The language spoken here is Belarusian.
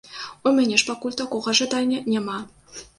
У мяне ж пакуль такога жадання няма.